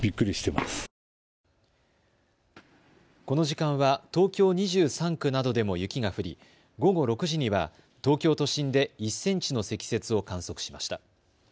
この時間は東京２３区などでも雪が降り午後６時には東京都心で１センチの積雪を観測しました。